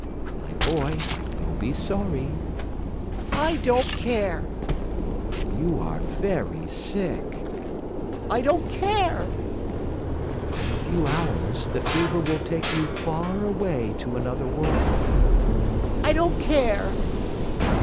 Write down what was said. "My boy, you'll be sorry." "I don't care." "You are very sick." "I don't care." "In a few hours the fever will take you far away to another world." "I don't care."